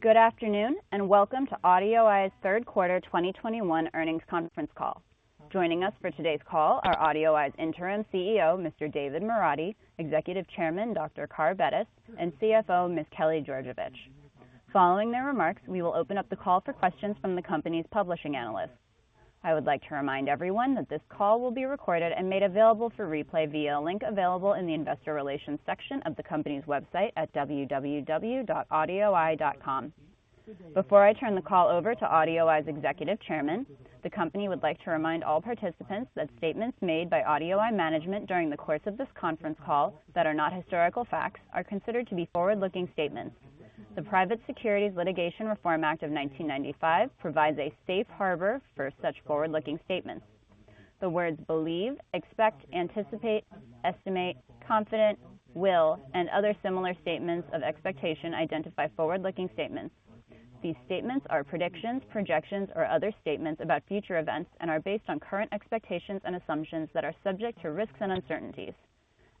Good afternoon, and welcome to AudioEye's third quarter 2021 earnings conference call. Joining us for today's call are AudioEye's Interim CEO, Mr. David Moradi, Executive Chairman, Dr. Carr Bettis, and CFO, Ms. Kelly Georgevich. Following their remarks, we will open up the call for questions from the company's participating analysts. I would like to remind everyone that this call will be recorded and made available for replay via a link available in the Investor Relations section of the company's website at www.audioeye.com. Before I turn the call over to AudioEye's Executive Chairman, the company would like to remind all participants that statements made by AudioEye management during the course of this conference call that are not historical facts are considered to be forward-looking statements. The Private Securities Litigation Reform Act of 1995 provides a safe harbor for such forward-looking statements. The words believe, expect, anticipate, estimate, confident, will, and other similar statements of expectation identify forward-looking statements. These statements are predictions, projections, or other statements about future events and are based on current expectations and assumptions that are subject to risks and uncertainties.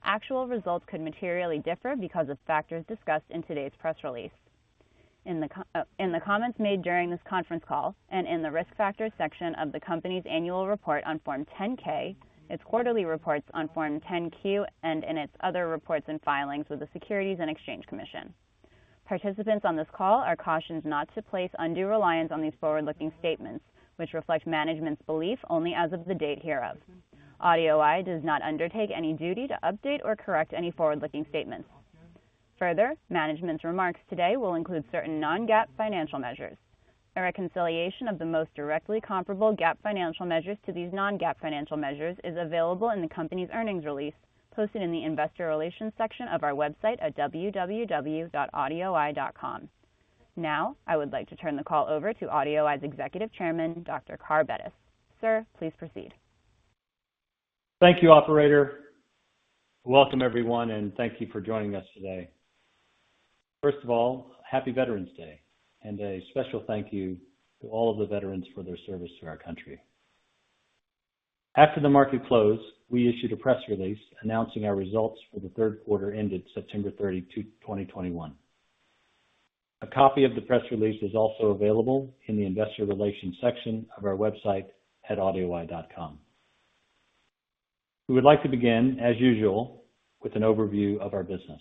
Actual results could materially differ because of factors discussed in today's press release, in the comments made during this conference call and in the Risk Factors section of the company's annual report on Form 10-K, its quarterly reports on Form 10-Q, and in its other reports and filings with the Securities and Exchange Commission. Participants on this call are cautioned not to place undue reliance on these forward-looking statements, which reflect management's belief only as of the date hereof. AudioEye does not undertake any duty to update or correct any forward-looking statements. Further, management's remarks today will include certain non-GAAP financial measures. A reconciliation of the most directly comparable GAAP financial measures to these non-GAAP financial measures is available in the company's earnings release posted in the Investor Relations section of our website at www.audioeye.com. Now, I would like to turn the call over to AudioEye's Executive Chairman, Dr. Carr Bettis. Sir, please proceed. Thank you, operator. Welcome, everyone, and thank you for joining us today. First of all, Happy Veterans Day, and a special thank you to all of the veterans for their service to our country. After the market closed, we issued a press release announcing our results for the third quarter ended September 30, 2021. A copy of the press release is also available in the Investor Relations section of our website at audioeye.com. We would like to begin, as usual, with an overview of our business.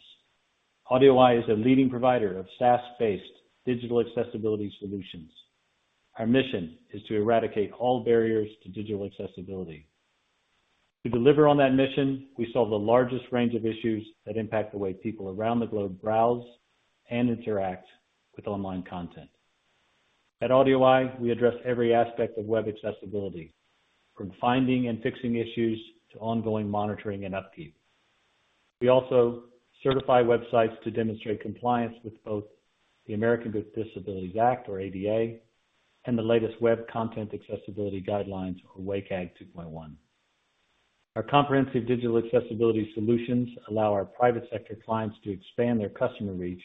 AudioEye is a leading provider of SaaS-based digital accessibility solutions. Our mission is to eradicate all barriers to digital accessibility. To deliver on that mission, we solve the largest range of issues that impact the way people around the globe browse and interact with online content. At AudioEye, we address every aspect of web accessibility, from finding and fixing issues to ongoing monitoring and upkeep. We also certify websites to demonstrate compliance with both the Americans with Disabilities Act, or ADA, and the latest Web Content Accessibility Guidelines or WCAG 2.1. Our comprehensive digital accessibility solutions allow our private sector clients to expand their customer reach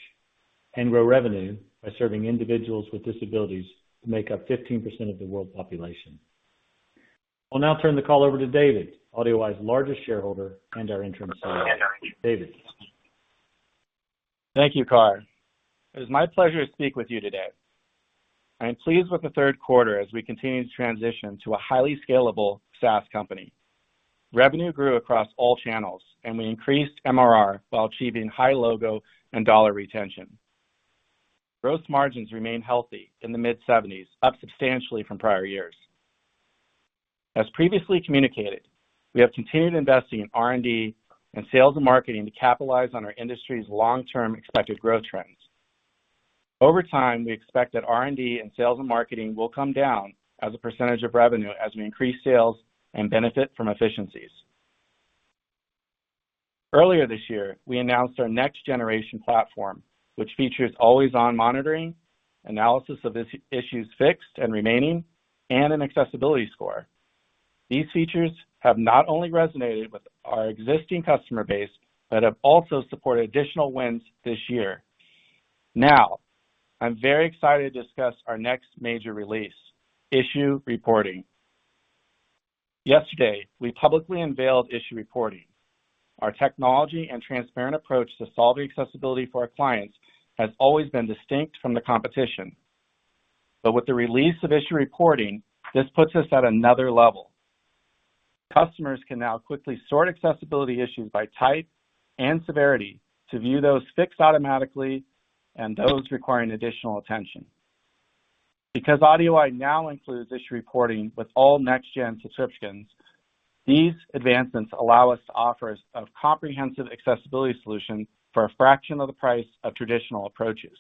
and grow revenue by serving individuals with disabilities who make up 15% of the world population. I'll now turn the call over to David, AudioEye's largest shareholder and our Interim CEO. David. Thank you, Carr. It is my pleasure to speak with you today. I am pleased with the third quarter as we continue to transition to a highly scalable SaaS company. Revenue grew across all channels, and we increased MRR while achieving high logo and dollar retention. Gross margins remain healthy in the mid-70s, up substantially from prior years. As previously communicated, we have continued investing in R&D and sales and marketing to capitalize on our industry's long-term expected growth trends. Over time, we expect that R&D and sales and marketing will come down as a percentage of revenue as we increase sales and benefit from efficiencies. Earlier this year, we announced our next generation platform, which features always-on monitoring, analysis of issues fixed and remaining, and an accessibility score. These features have not only resonated with our existing customer base, but have also supported additional wins this year. Now, I'm very excited to discuss our next major release, Issue Reporting. Yesterday, we publicly unveiled Issue Reporting. Our technology and transparent approach to solving accessibility for our clients has always been distinct from the competition. With the release of Issue Reporting, this puts us at another level. Customers can now quickly sort accessibility issues by type and severity to view those fixed automatically and those requiring additional attention. Because AudioEye now includes Issue Reporting with all next gen subscriptions, these advancements allow us to offer a comprehensive accessibility solution for a fraction of the price of traditional approaches.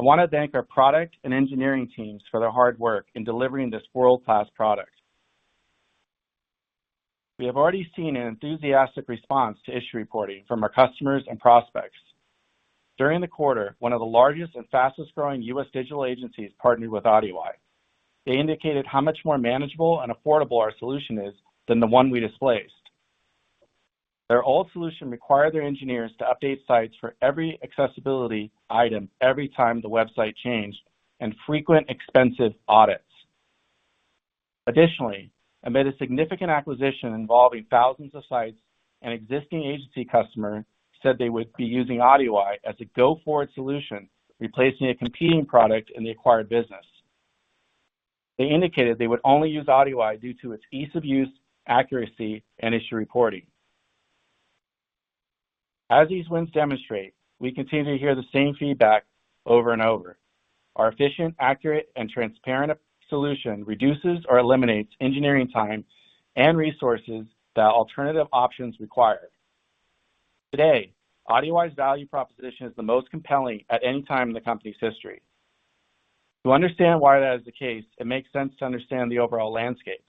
I wanna thank our product and engineering teams for their hard work in delivering this world-class product. We have already seen an enthusiastic response to Issue Reporting from our customers and prospects. During the quarter, one of the largest and fastest growing U.S. digital agencies partnered with AudioEye. They indicated how much more manageable and affordable our solution is than the one we displaced. Their old solution required their engineers to update sites for every accessibility item every time the website changed and frequent expensive audits. Additionally, amid a significant acquisition involving thousands of sites, an existing agency customer said they would be using AudioEye as a go-forward solution, replacing a competing product in the acquired business. They indicated they would only use AudioEye due to its ease of use, accuracy, and Issue Reporting. As these wins demonstrate, we continue to hear the same feedback over and over. Our efficient, accurate, and transparent solution reduces or eliminates engineering time and resources that alternative options require. Today, AudioEye's value proposition is the most compelling at any time in the company's history. To understand why that is the case, it makes sense to understand the overall landscape.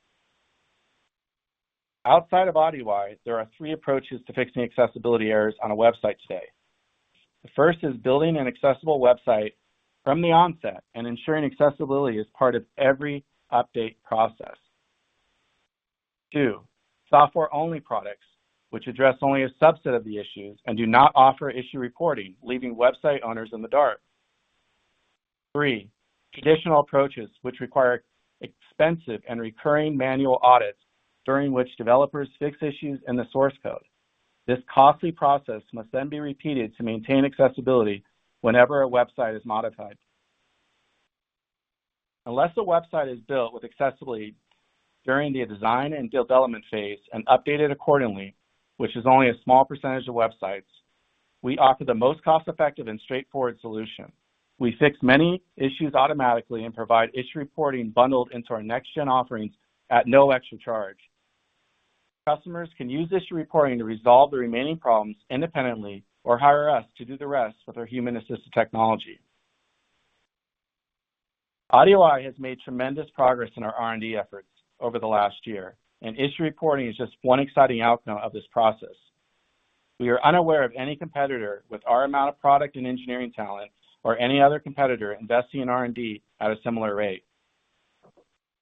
Outside of AudioEye, there are three approaches to fixing accessibility errors on a website today. The first is building an accessible website from the onset and ensuring accessibility is part of every update process. Two, software-only products which address only a subset of the issues and do not offer issue reporting, leaving website owners in the dark. Three, traditional approaches which require expensive and recurring manual audits during which developers fix issues in the source code. This costly process must then be repeated to maintain accessibility whenever a website is modified. Unless a website is built with accessibility during the design and development phase and updated accordingly, which is only a small percentage of websites, we offer the most cost-effective and straightforward solution. We fix many issues automatically and provide issue reporting bundled into our next gen offerings at no extra charge. Customers can use Issue Reporting to resolve the remaining problems independently or hire us to do the rest with our human assistive technology. AudioEye has made tremendous progress in our R&D efforts over the last year, and Issue Reporting is just one exciting outcome of this process. We are unaware of any competitor with our amount of product and engineering talent or any other competitor investing in R&D at a similar rate.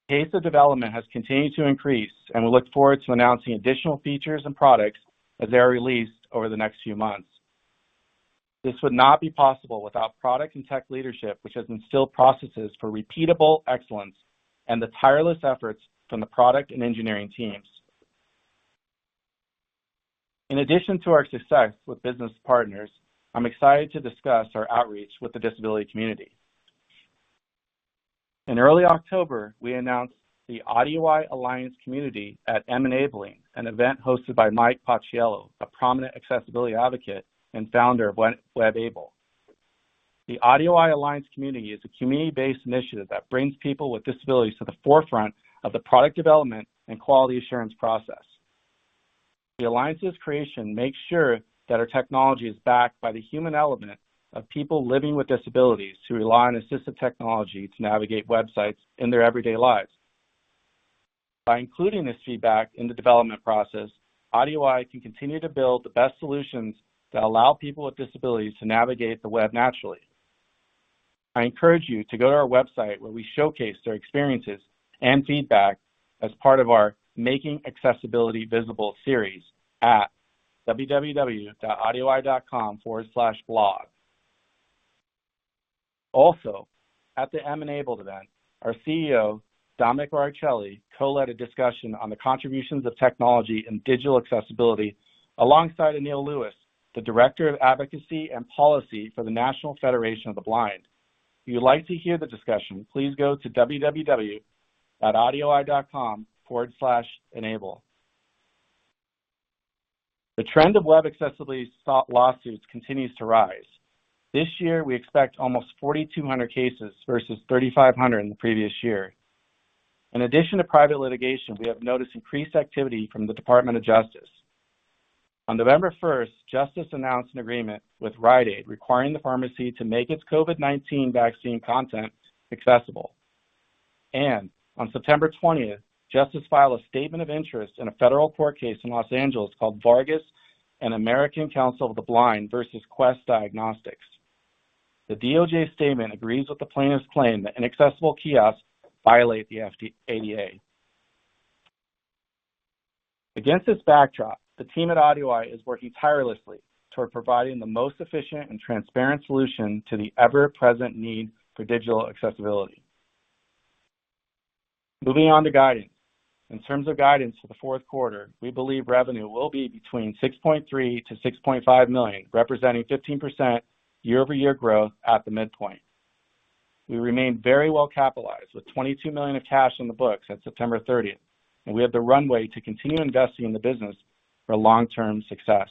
Pace of development has continued to increase, and we look forward to announcing additional features and products as they are released over the next few months. This would not be possible without product and tech leadership, which has instilled processes for repeatable excellence and the tireless efforts from the product and engineering teams. In addition to our success with business partners, I'm excited to discuss our outreach with the disability community. In early October, we announced the AudioEye A11iance Community at M-Enabling, an event hosted by Mike Paciello, a prominent accessibility advocate and founder of WebABLE. The AudioEye A11iance Community is a community-based initiative that brings people with disabilities to the forefront of the product development and quality assurance process. The alliance's creation makes sure that our technology is backed by the human element of people living with disabilities who rely on assistive technology to navigate websites in their everyday lives. By including this feedback in the development process, AudioEye can continue to build the best solutions that allow people with disabilities to navigate the web naturally. I encourage you to go to our website where we showcase their experiences and feedback as part of our Making Accessibility Visible series at www.audioeye.com/blog. Also, at the M-Enabling event, our CEO, Dominic Varacalli, co-led a discussion on the contributions of technology in digital accessibility alongside Anil Lewis, the Director of Advocacy and Policy for the National Federation of the Blind. If you'd like to hear the discussion, please go to www.audioeye.com/enable. The trend of web accessibility lawsuits continues to rise. This year, we expect almost 4,200 cases versus 3,500 in the previous year. In addition to private litigation, we have noticed increased activity from the Department of Justice. On November 1st, Justice announced an agreement with Rite Aid, requiring the pharmacy to make its COVID-19 vaccine content accessible. On September 20th, Justice filed a statement of interest in a federal court case in Los Angeles called Vargas and American Council of the Blind versus Quest Diagnostics. The DOJ statement agrees with the plaintiff's claim that inaccessible kiosks violate the ADA. Against this backdrop, the team at AudioEye is working tirelessly toward providing the most efficient and transparent solution to the ever-present need for digital accessibility. Moving on to guidance. In terms of guidance for the fourth quarter, we believe revenue will be between $6.3 million-$6.5 million, representing 15% year-over-year growth at the midpoint. We remain very well-capitalized, with $22 million of cash on the books at September 30, and we have the runway to continue investing in the business for long-term success.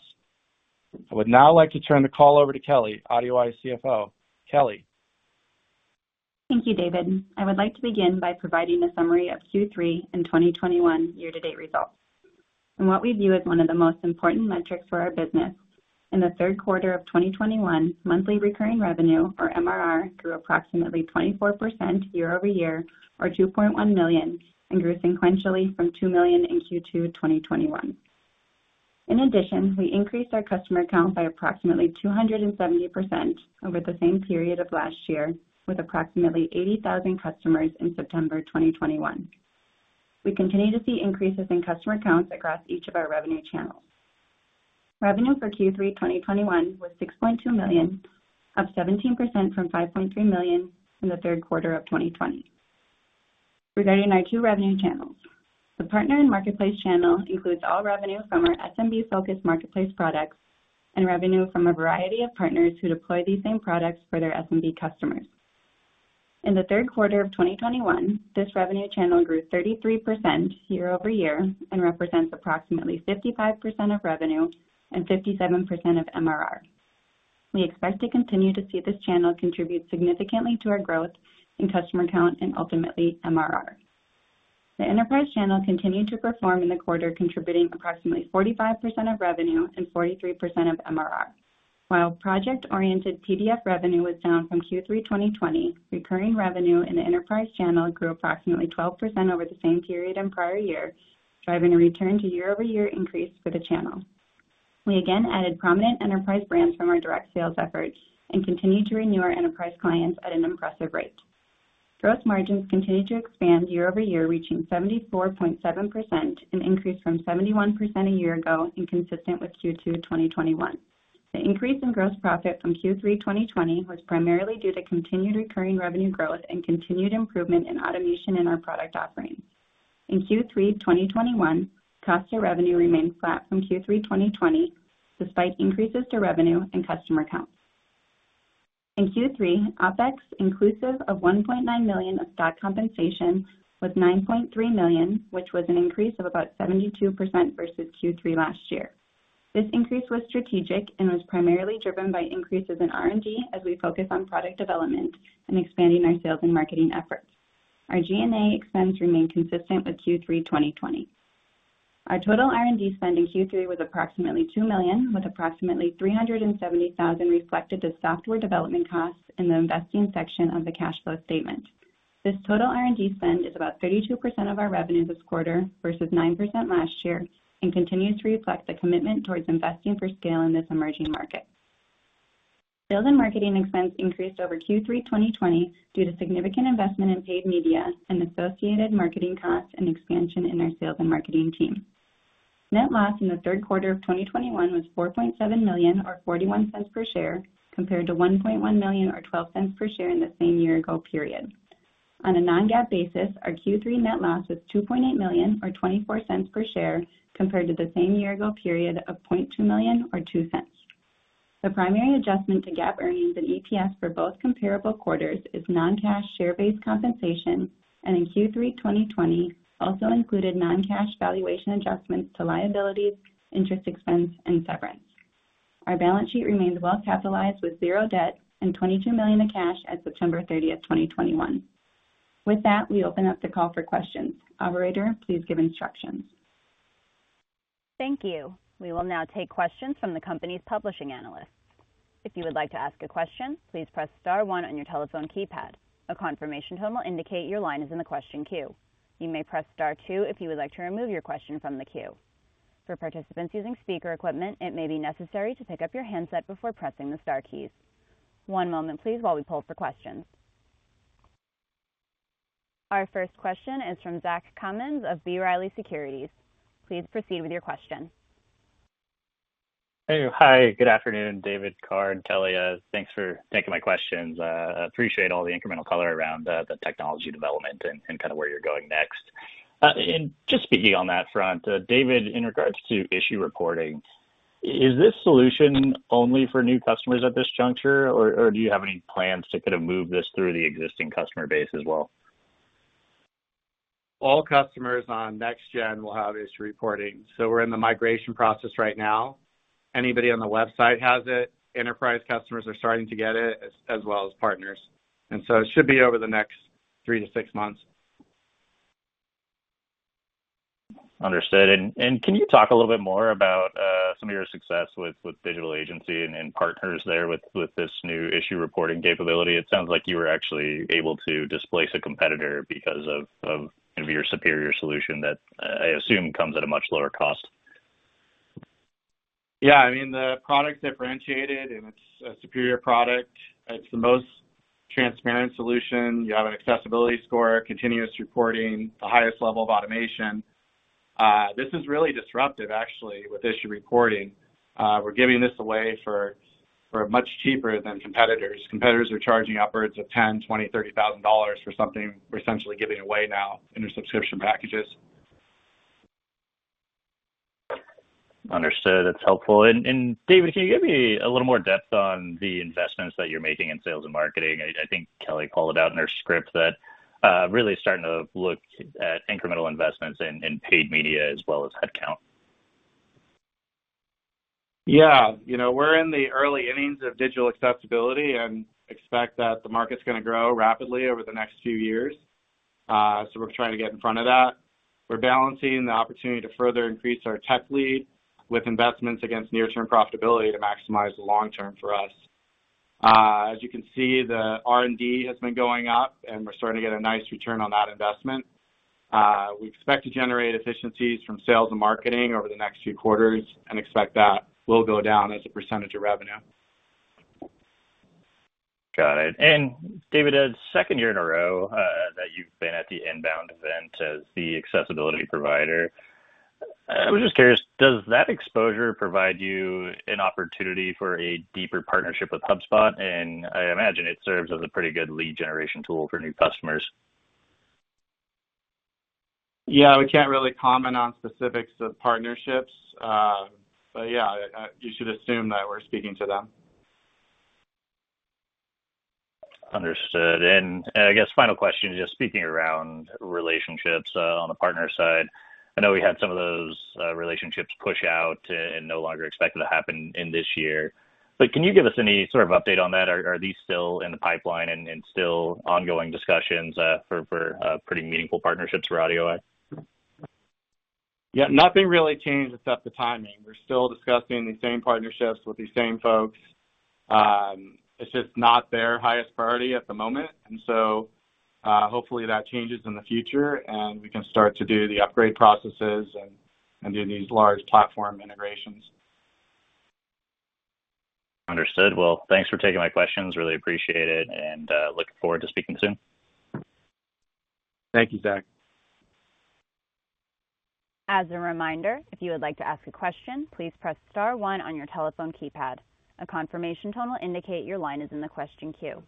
I would now like to turn the call over to Kelly, AudioEye's CFO. Kelly? Thank you, David. I would like to begin by providing a summary of Q3 2021 year-to-date results. In what we view as one of the most important metrics for our business, in the third quarter of 2021, monthly recurring revenue or MRR grew approximately 24% year-over-year or $2.1 million and grew sequentially from $2 million in Q2 2021. In addition, we increased our customer count by approximately 270% over the same period of last year with approximately 80,000 customers in September 2021. We continue to see increases in customer counts across each of our revenue channels. Revenue for Q3 2021 was $6.2 million, up 17% from $5.3 million in the third quarter of 2020. Regarding our two revenue channels, the partner and marketplace channel includes all revenue from our SMB-focused marketplace products and revenue from a variety of partners who deploy these same products for their SMB customers. In the third quarter of 2021, this revenue channel grew 33% year-over-year and represents approximately 55% of revenue and 57% of MRR. We expect to continue to see this channel contribute significantly to our growth in customer count and ultimately MRR. The enterprise channel continued to perform in the quarter, contributing approximately 45% of revenue and 43% of MRR. While project-oriented PDF revenue was down from Q3 2020, recurring revenue in the enterprise channel grew approximately 12% over the same period in prior year, driving a return to year-over-year increase for the channel. We again added prominent enterprise brands from our direct sales efforts and continued to renew our enterprise clients at an impressive rate. Gross margins continued to expand year-over-year, reaching 74.7%, an increase from 71% a year ago and consistent with Q2 2021. The increase in gross profit from Q3 2020 was primarily due to continued recurring revenue growth and continued improvement in automation in our product offerings. In Q3 2021, cost of revenue remained flat from Q3 2020, despite increases to revenue and customer counts. In Q3, OpEx, inclusive of $1.9 million of stock compensation, was $9.3 million, which was an increase of about 72% versus Q3 last year. This increase was strategic and was primarily driven by increases in R&D as we focus on product development and expanding our sales and marketing efforts. Our G&A expense remained consistent with Q3 2020. Our total R&D spend in Q3 was approximately $2 million, with approximately $370,000 reflected as software development costs in the investing section of the cash flow statement. This total R&D spend is about 32% of our revenue this quarter versus 9% last year and continues to reflect the commitment towards investing for scale in this emerging market. Sales and marketing expense increased over Q3 2020 due to significant investment in paid media and associated marketing costs and expansion in our sales and marketing team. Net loss in the third quarter of 2021 was $4.7 million or $0.41 per share, compared to $1.1 million or $0.12 per share in the same year ago period. On a non-GAAP basis, our Q3 net loss was $2.8 million or $0.24 per share compared to the same year ago period of $0.2 million or $0.02. The primary adjustment to GAAP earnings and EPS for both comparable quarters is non-cash share-based compensation, and in Q3 2020 also included non-cash valuation adjustments to liabilities, interest expense, and severance. Our balance sheet remains well-capitalized with zero debt and $22 million in cash at September 30, 2021. With that, we open up the call for questions. Operator, please give instructions. Thank you. We will now take questions from the company's publishing analysts. If you would like to ask a question, please press star one on your telephone keypad. A confirmation tone will indicate your line is in the question queue. You may press star two if you would like to remove your question from the queue. For participants using speaker equipment, it may be necessary to pick up your handset before pressing the star keys. One moment please while we poll for questions. Our first question is from Zach Cummins of B. Riley Securities. Please proceed with your question. Hey. Hi, good afternoon, David, Carr, and Kelly. Thanks for taking my questions. Appreciate all the incremental color around the technology development and kind of where you're going next. Just speaking on that front, David, in regards to Issue Reporting, is this solution only for new customers at this juncture or do you have any plans to kind of move this through the existing customer base as well? All customers on next gen will have Issue Reporting. We're in the migration process right now. Anybody on the website has it. Enterprise customers are starting to get it as well as partners. It should be over the next 3-6 months. Understood. Can you talk a little bit more about some of your success with digital agency and partners there with this new Issue Reporting capability? It sounds like you were actually able to displace a competitor because of maybe your superior solution that I assume comes at a much lower cost. Yeah. I mean, the product's differentiated and it's a superior product. It's the most transparent solution. You have an accessibility score, continuous reporting, the highest level of automation. This is really disruptive actually with Issue Reporting. We're giving this away for much cheaper than competitors. Competitors are charging upwards of $10,000, $20,000, $30,000 for something we're essentially giving away now in our subscription packages. Understood. That's helpful. David, can you give me a little more depth on the investments that you're making in sales and marketing? I think Kelly called it out in her script that really starting to look at incremental investments in paid media as well as headcount. Yeah. You know, we're in the early innings of digital accessibility and expect that the market's gonna grow rapidly over the next few years. We're trying to get in front of that. We're balancing the opportunity to further increase our tech lead with investments against near-term profitability to maximize the long term for us. As you can see, the R&D has been going up, and we're starting to get a nice return on that investment. We expect to generate efficiencies from sales and marketing over the next few quarters and expect that will go down as a percentage of revenue. Got it. David, a second year in a row that you've been at the INBOUND event as the accessibility provider. I was just curious, does that exposure provide you an opportunity for a deeper partnership with HubSpot? I imagine it serves as a pretty good lead generation tool for new customers. Yeah, we can't really comment on specifics of partnerships. Yeah, you should assume that we're speaking to them. Understood. I guess final question, just speaking around relationships on the partner side. I know we had some of those relationships push out and no longer expected to happen in this year. Can you give us any sort of update on that? Are these still in the pipeline and still ongoing discussions for pretty meaningful partnerships for AudioEye? Yeah, nothing really changed except the timing. We're still discussing the same partnerships with the same folks. It's just not their highest priority at the moment. Hopefully that changes in the future and we can start to do the upgrade processes and do these large platform integrations. Understood. Well, thanks for taking my questions. Really appreciate it, and looking forward to speaking soon. Thank you, Zach. As a reminder, if you would like to ask a question, please press star one on your telephone keypad. A confirmation tone will indicate your line is in the question queue.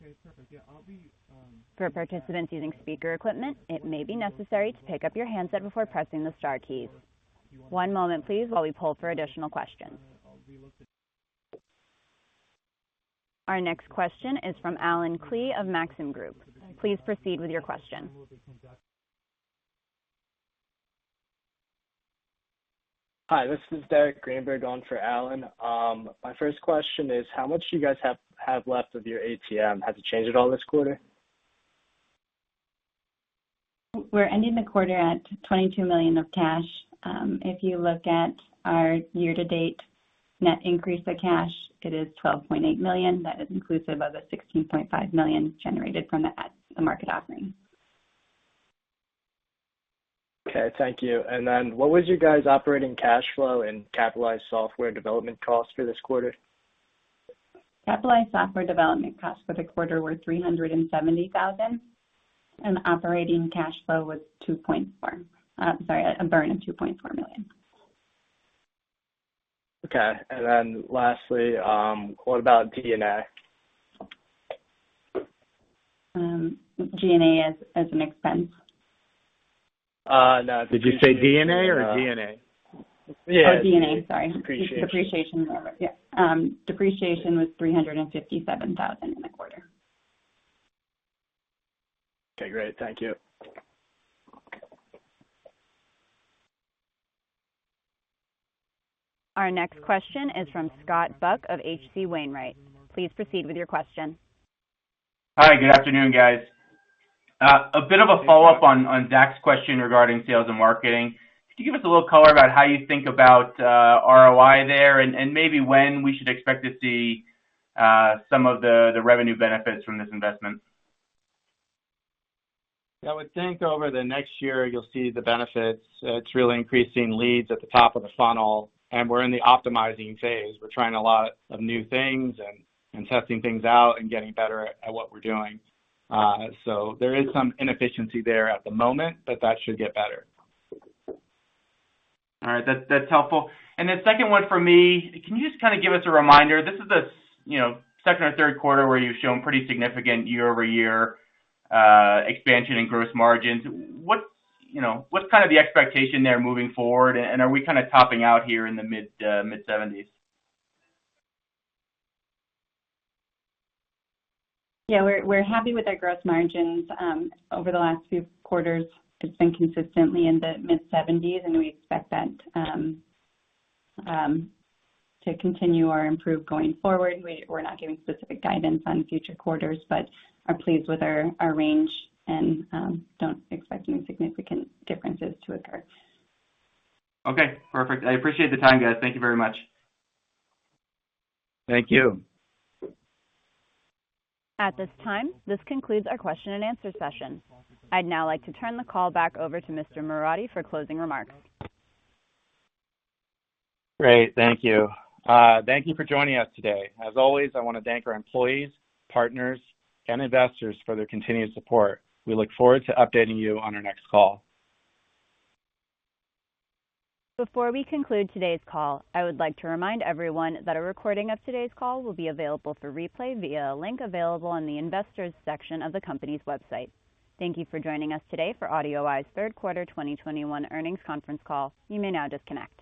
For participants using speaker equipment, it may be necessary to pick up your handset before pressing the star keys. One moment, please, while we pull for additional questions. Our next question is from Allen Klee of Maxim Group. Please proceed with your question. Hi, this is Derek Greenberg on for Allen. My first question is, how much do you guys have left of your ATM? Has it changed at all this quarter? We're ending the quarter at $22 million of cash. If you look at our year-to-date net increase of cash, it is $12.8 million. That is inclusive of the $16.5 million generated from the ATM offering. Okay, thank you. What was your operating cash flow and capitalized software development costs for this quarter? Capitalized software development costs for the quarter were $370,000, and operating cash flow was a burn of $2.4 million. Okay. Lastly, what about G&A? G&A as an expense? No. Did you say D&A or G&A? Oh, G&A, sorry. Depreciation. Depreciation, got it, yeah. Depreciation was $357,000 in the quarter. Okay, great. Thank you. Our next question is from Scott Buck of H.C. Wainwright. Please proceed with your question. Hi, good afternoon, guys. A bit of a follow-up on Zach's question regarding sales and marketing. Could you give us a little color about how you think about ROI there and maybe when we should expect to see some of the revenue benefits from this investment? Yeah, I would think over the next year you'll see the benefits. It's really increasing leads at the top of the funnel, and we're in the optimizing phase. We're trying a lot of new things and testing things out and getting better at what we're doing. There is some inefficiency there at the moment, but that should get better. That's helpful. Second one for me, can you just kind of give us a reminder? This is the, you know, second or third quarter where you've shown pretty significant year-over-year expansion in gross margins. What's, you know, the expectation there moving forward? Are we kind of topping out here in the mid-70s? Yeah, we're happy with our gross margins. Over the last few quarters, it's been consistently in the mid-70s, and we expect that to continue or improve going forward. We're not giving specific guidance on future quarters, but are pleased with our range and don't expect any significant differences to occur. Okay, perfect. I appreciate the time, guys. Thank you very much. Thank you. At this time, this concludes our question and answer session. I'd now like to turn the call back over to Mr. Moradi for closing remarks. Great. Thank you. Thank you for joining us today. As always, I wanna thank our employees, partners, and investors for their continued support. We look forward to updating you on our next call. Before we conclude today's call, I would like to remind everyone that a recording of today's call will be available for replay via a link available on the Investors section of the company's website. Thank you for joining us today for AudioEye's third quarter 2021 earnings conference call. You may now disconnect.